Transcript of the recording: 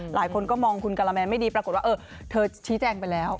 หลายคนก็มองคุณกะละแมนไม่ดีปรากฏว่าเธอชี้แจงไปแล้ว